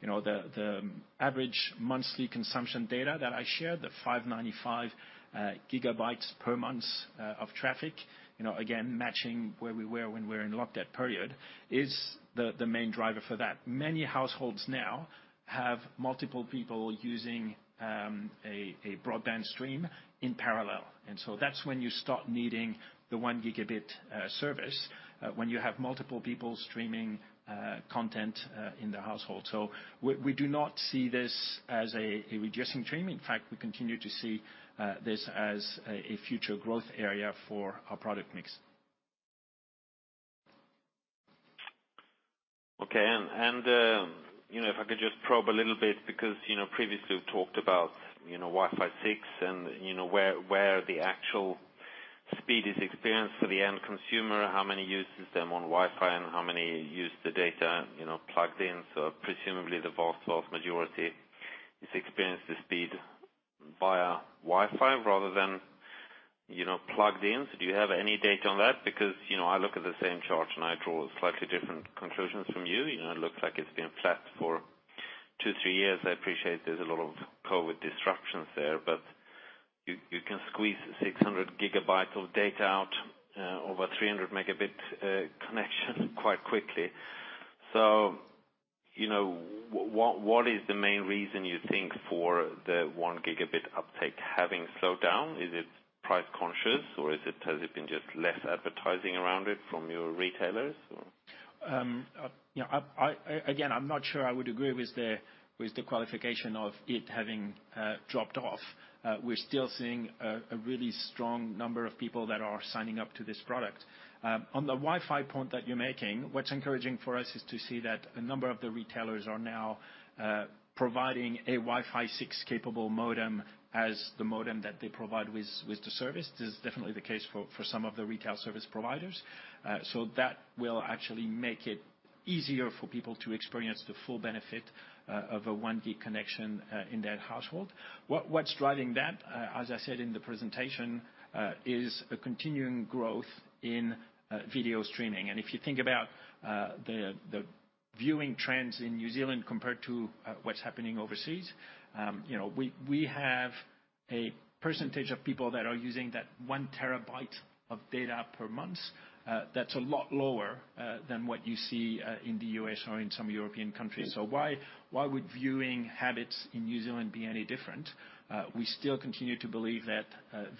you know, the, the average monthly consumption data that I shared, the 595 GB per month, of traffic, you know, again, matching where we were when we were in lockdown period, is the, the main driver for that. Many households now have multiple people using, a broadband stream in parallel. That's when you start needing the 1 gigabit, service, when you have multiple people streaming, content, in the household. We do not see this as a reducing trend. In fact, we continue to see this as a future growth area for our product mix. Okay, and, and, you know, if I could just probe a little bit, because, you know, previously we've talked about, you know, Wi-Fi 6, and you know, where, where the actual speed is experienced for the end consumer, how many uses them on Wi-Fi and how many use the data, you know, plugged in. Presumably the vast majority is experienced the speed via Wi-Fi rather than, you know, plugged in. Do you have any data on that? You know, I look at the same chart, and I draw slightly different conclusions from you. You know, it looks like it's been flat for two, three years. I appreciate there's a lot of COVID disruptions there, but you, you can squeeze 600 GB of data out, over 300 Mbps connection quite quickly. You know, what is the main reason you think for the 1 gigabit uptake having slowed down? Is it price conscious, or is it, has it been just less advertising around it from your retailers, or? Yeah, I, I, again, I'm not sure I would agree with the, with the qualification of it having dropped off. We're still seeing a, a really strong number of people that are signing up to this product. On the Wi-Fi point that you're making, what's encouraging for us is to see that a number of the retailers are now providing a Wi-Fi 6-capable modem as the modem that they provide with, with the service. This is definitely the case for, for some of the retail service providers. So that will actually make it easier for people to experience the full benefit of a 1 gig connection in their household. What, what's driving that, as I said in the presentation, is a continuing growth in video streaming. If you think about the viewing trends in New Zealand compared to what's happening overseas, you know, we have a % of people that are using that 1 terabyte of data per month. That's a lot lower than what you see in the U.S. or in some European countries. Why, why would viewing habits in New Zealand be any different? We still continue to believe that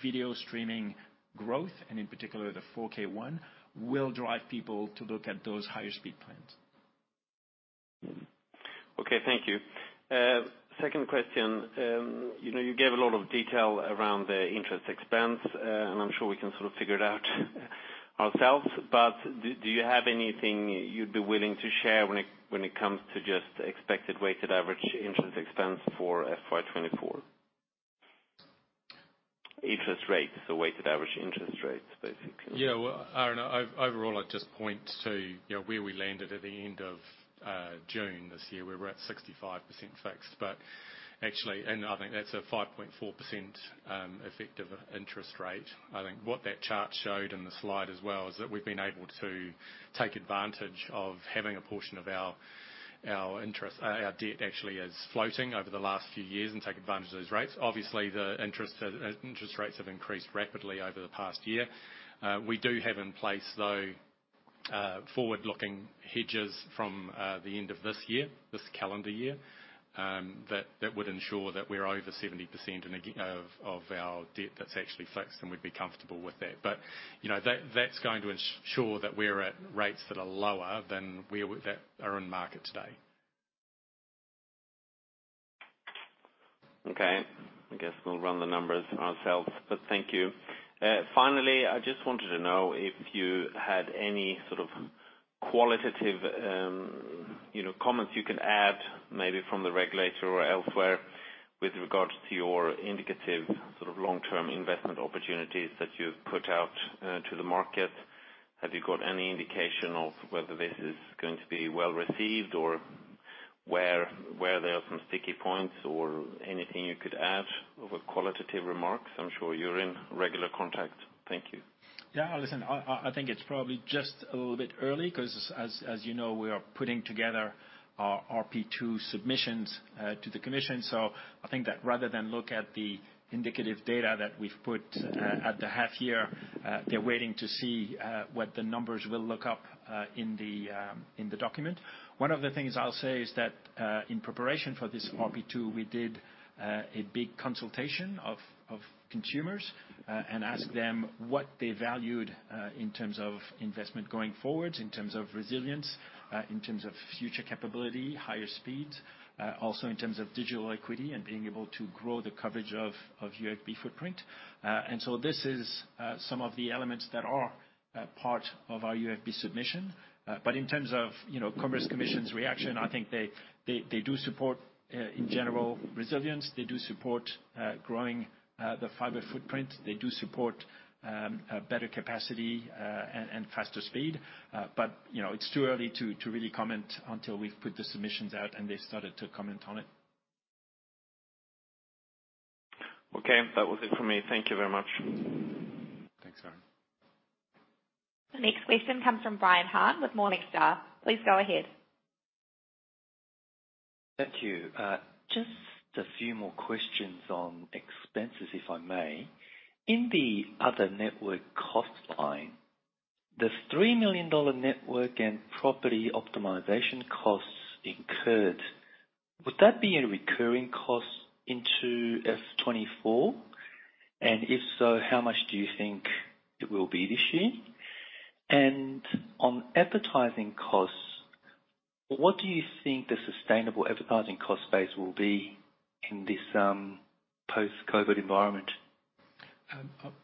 video streaming growth, and in particular, the 4K one, will drive people to look at those higher speed plans. Okay. Thank you. Second question. You know, you gave a lot of detail around the interest expense, and I'm sure we can sort of figure it out ourselves, but do, do you have anything you'd be willing to share when it, when it comes to just expected weighted average interest expense for FY24? Interest rate, so weighted average interest rate, basically. Yeah. Well, Aaron, overall, I'd just point to, you know, where we landed at the end of June this year, where we're at 65% fixed, but actually, and I think that's a 5.4% effective interest rate. I think what that chart showed in the slide as well, is that we've been able to take advantage of having a portion of our, our interest, our debt actually is floating over the last few years and take advantage of those rates. Obviously, the interest, interest rates have increased rapidly over the past year. We do have in place, though, forward-looking hedges from the end of this year, this calendar year, that, that would ensure that we're over 70% and again, of our debt that's actually fixed, and we'd be comfortable with that. you know, that, that's going to ensure that we're at rates that are lower than that are in market today. Okay, I guess we'll run the numbers ourselves, but thank you. Finally, I just wanted to know if you had any sort of qualitative, you know, comments you can add, maybe from the regulator or elsewhere, with regards to your indicative sort of long-term investment opportunities that you've put out to the market. Have you got any indication of whether this is going to be well-received, or where, where there are some sticky points or anything you could add of a qualitative remarks? I'm sure you're in regular contact. Thank you. Yeah. Listen, I, I think it's probably just a little bit early, 'cause as, as you know, we are putting together our RP2 submissions to the Commission. I think that rather than look at the indicative data that we've put at, at the half year, they're waiting to see what the numbers will look up in the document. One of the things I'll say is that in preparation for this RP2, we did a big consultation of consumers and asked them what they valued in terms of investment going forward, in terms of resilience, in terms of future capability, higher speeds, also in terms of digital equity and being able to grow the coverage of UFB footprint. So this is, some of the elements that are, part of our UFB submission. In terms of, you know, Commerce Commission's reaction, I think they, they, they do support, in general, resilience. They do support, growing, the fiber footprint. They do support, better capacity, and, and faster speed. You know, it's too early to, to really comment until we've put the submissions out, and they've started to comment on it. Okay, that was it for me. Thank you very much. Thanks, Aaron. The next question comes from Brian Han with Morningstar. Please go ahead. Thank you. Just a few more questions on expenses, if I may. In the other network cost line, the 3 million dollar network and property optimization costs incurred, would that be a recurring cost into FY24? If so, how much do you think it will be this year? On advertising costs, what do you think the sustainable advertising cost base will be in this post-COVID environment?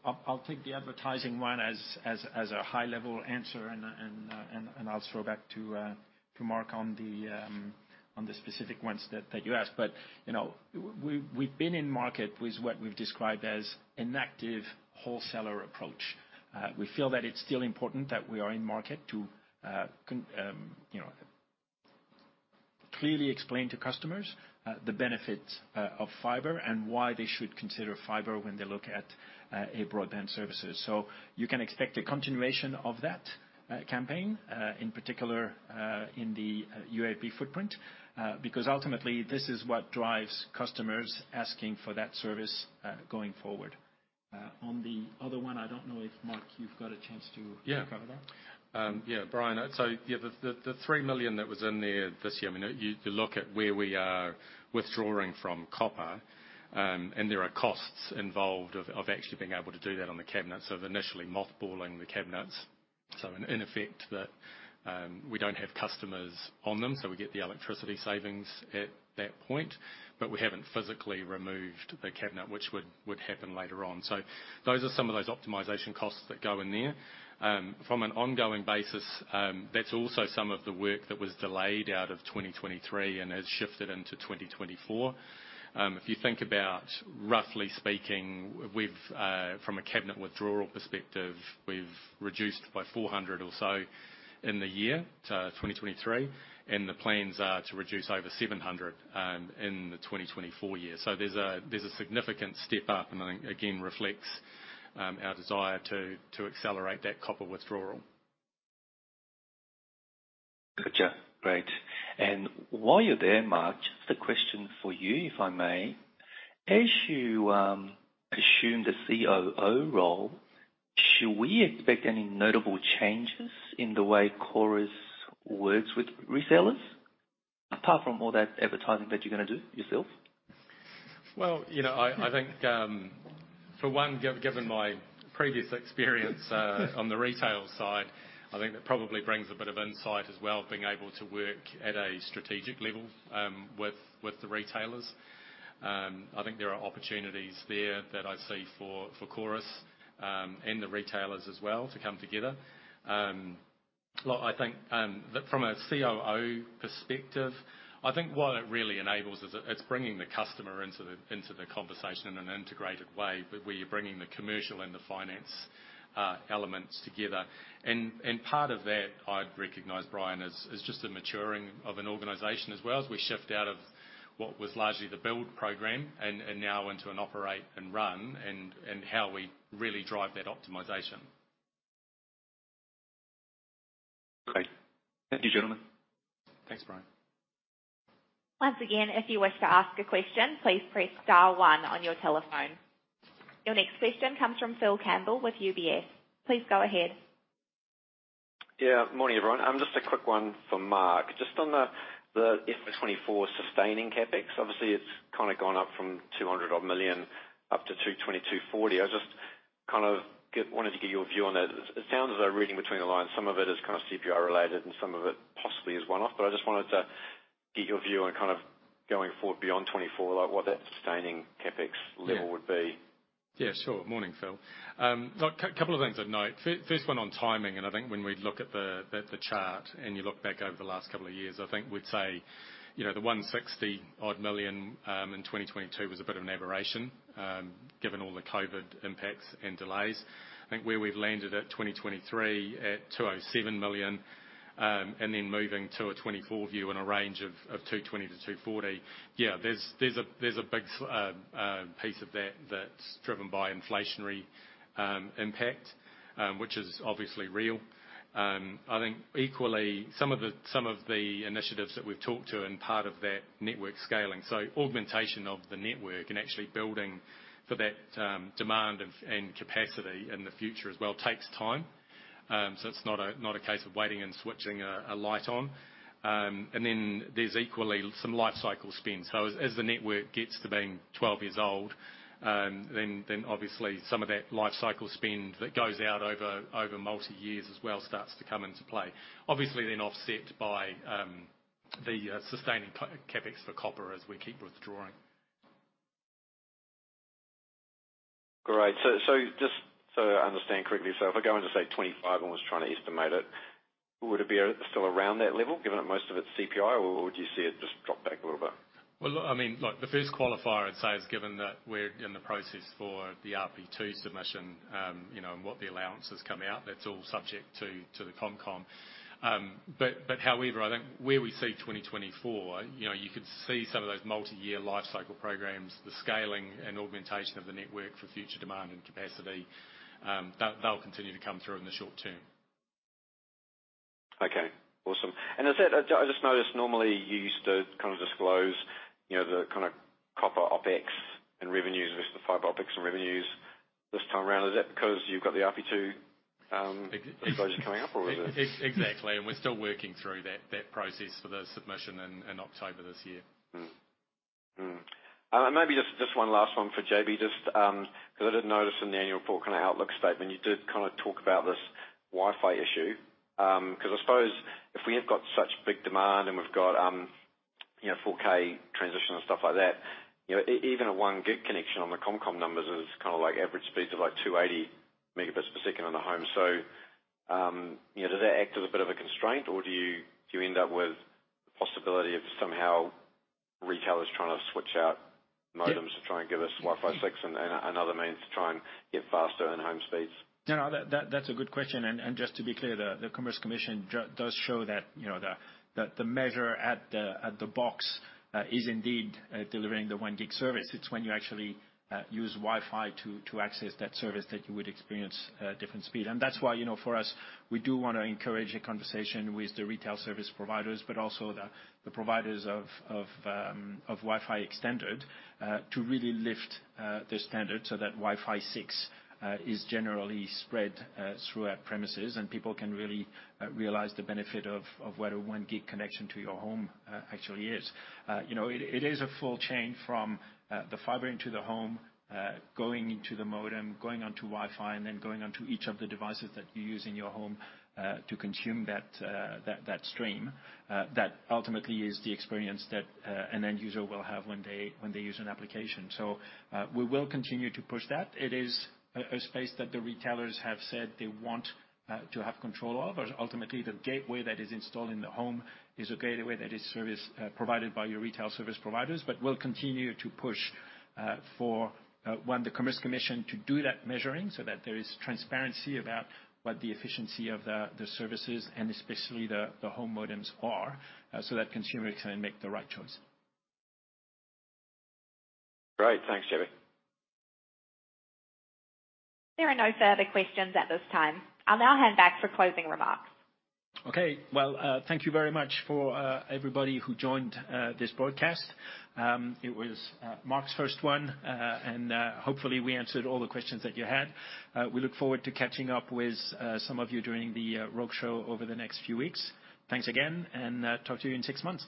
I'll, I'll take the advertising one as, as, as a high-level answer, I'll throw back to Mark on the specific ones that, that you asked. You know, we've, we've been in market with what we've described as an active wholesaler approach. We feel that it's still important that we are in market to, you know, clearly explain to customers, the benefits of fiber and why they should consider fiber when they look at a broadband services. You can expect a continuation of that campaign in particular in the UFB footprint, because ultimately, this is what drives customers asking for that service going forward. On the other one, I don't know if, Mark, you've got a chance. Yeah. cover that? Yeah, Brian. The 3 million that was in there this year, I mean, you, you look at where we are withdrawing from copper, and there are costs involved of, of actually being able to do that on the cabinets of initially mothballing the cabinets. In, in effect, that we don't have customers on them, so we get the electricity savings at that point, but we haven't physically removed the cabinet, which would, would happen later on. Those are some of those optimization costs that go in there. From an ongoing basis, that's also some of the work that was delayed out of 2023 and has shifted into 2024. If you think about, roughly speaking, we've, from a cabinet withdrawal perspective, we've reduced by 400 or so in the year to 2023, and the plans are to reduce over 700 in the 2024 year. There's a significant step up, and I think, again, reflects our desire to accelerate that copper withdrawal. Gotcha. Great. While you're there, Mark, the question for you, if I may: as you assume the COO role, should we expect any notable changes in the way Chorus works with resellers, apart from all that advertising that you're going to do yourself? Well, you know, I, I think, for one, gi-given my previous experience, on the retail side, I think that probably brings a bit of insight as well, being able to work at a strategic level, with, with the retailers. I think there are opportunities there that I see for, for Chorus, and the retailers as well to come together. Look, I think, from a COO perspective, I think what it really enables is it's bringing the customer into the, into the conversation in an integrated way, but where you're bringing the commercial and the finance elements together. Part of that, I'd recognize, Brian, as, as just a maturing of an organization as well, as we shift out of what was largely the build program and, and now into an operate and run, and, and how we really drive that optimization. Great. Thank you, gentlemen. Thanks, Brian. Once again, if you wish to ask a question, please press star one on your telephone. Your next question comes from Philip Campbell with UBS. Please go ahead. Morning, everyone. Just a quick one for Mark. Just on the FY24 sustaining CapEx, obviously, it's kind of gone up from 200 million up to 220 million-240 million. I just kind of wanted to get your view on that. It sounds as though, reading between the lines, some of it is kind of CPI related, and some of it possibly is one-off, but I just wanted to get your view on kind of going forward beyond 2024, like, what that sustaining CapEx level- Yeah. would be. Yeah, sure. Morning, Phil. Look, cou-couple of things I'd note. Fi-first one on timing, and I think when we look at the, at the chart, and you look back over the last couple of years, I think we'd say, you know, the 160 odd million in 2022 was a bit of an aberration, given all the COVID impacts and delays. I think where we've landed at 2023 at 207 million, and then moving to a 2024 view in a range of, of 220 million-240 million. Yeah, there's, there's a, there's a big, piece of that, that's driven by inflationary, impact, which is obviously real. I think equally, some of the, some of the initiatives that we've talked to in part of that network scaling, so augmentation of the network and actually building for that, demand of, and capacity in the future as well, takes time. It's not a, not a case of waiting and switching a, a light on. There's equally some life cycle spend. As, as the network gets to being 12 years old, obviously some of that life cycle spend that goes out over, over multi years as well, starts to come into play. Obviously, then offset by, the, sustaining CapEx for copper as we keep withdrawing. Great. So just so I understand correctly, if we're going to say 25 and was trying to estimate it. Would it be still around that level, given that most of it's CPI, or would you see it just drop back a little bit? Well, I mean, look, the first qualifier I'd say is, given that we're in the process for the RP2 submission, you know, and what the allowances come out, that's all subject to, to the ComCom. However, I think where we see 2024, you know, you could see some of those multi-year life cycle programs, the scaling and augmentation of the network for future demand and capacity, they'll, they'll continue to come through in the short term. Okay, awesome. I just noticed, normally, you used to kind of disclose, you know, the kind of copper OpEx and revenues versus the fiber OpEx and revenues this time around. Is that because you've got the RP2 coming up, or is it? Exactly, we're still working through that, that process for the submission in, in October this year. Mm-hmm. Mm-hmm. Maybe just, just one last one for JB. Just, because I did notice in the annual report kind of outlook statement, you did kind of talk about this Wi-Fi issue. Because I suppose if we have got such big demand, and we've got, you know, 4K transition and stuff like that, you know, even a 1 Gig connection on the ComCom numbers is kind of like average speeds of, like, 280 Mbps on the home. You know, does that act as a bit of a constraint, or do you, do you end up with the possibility of somehow retailers trying to switch out modems to try and give us Wi-Fi 6 and, and other means to try and get faster in-home speeds? No, no, that, that's a good question, and, and just to be clear, the, the Commerce Commission does show that, you know, the, the measure at the, at the box, is indeed, delivering the 1 Gig service. It's when you actually use Wi-Fi to, to access that service that you would experience different speed. That's why, you know, for us, we do want to encourage a conversation with the Retail Service Providers, but also the, the providers of, of Wi-Fi extended, to really lift the standard so that Wi-Fi 6 is generally spread throughout premises. People can really realize the benefit of, of what a 1 Gig connection to your home actually is. You know, it, it is a full chain from the fiber into the home, going into the modem, going onto Wi-Fi, and then going onto each of the devices that you use in your home, to consume that, that, that stream. That ultimately is the experience that an end user will have when they, when they use an application. We will continue to push that. It is a, a space that the retailers have said they want to have control of, but ultimately, the gateway that is installed in the home is a gateway that is service provided by your Retail Service Providers. We'll continue to push for one, the Commerce Commission to do that measuring, so that there is transparency about what the efficiency of the services, and especially the home modems are, so that consumers can make the right choice. Great! Thanks, JB. There are no further questions at this time. I'll now hand back for closing remarks. Okay. Well, thank you very much for everybody who joined this broadcast. It was Mark's first one, and hopefully, we answered all the questions that you had. We look forward to catching up with some of you during the Rogue Show over the next few weeks. Thanks again, and talk to you in 6 months.